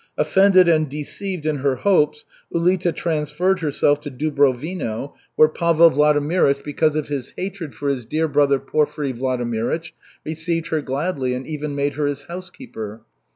Offended and deceived in her hopes, Ulita transferred herself to Dubrovino, where Pavel Vladimirych, because of his hatred for his dear brother Porfiry Vladimirych, received her gladly and even made her his housekeeper.